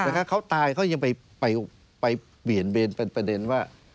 แต่ถ้าเขาตายเขายังไปเปลี่ยนเบนเป็นประเด็นว่า